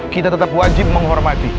kita tetap wajib menghormati